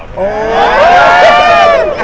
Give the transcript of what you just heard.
โอ้ยยยยยยยยยยยโอบดีนะ